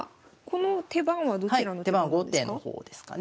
この手番はどちらの手番なんですか？